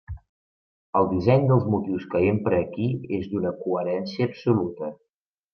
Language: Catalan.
El disseny dels motius que empra aquí és d'una coherència absoluta.